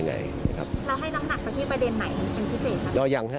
แล้วให้น้ำหนักนั้นที่ประเด็นไหนเป็นพิเศษ